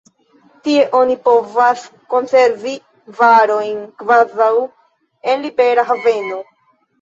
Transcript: Tie oni povas konservi varojn kvazaŭ en libera haveno.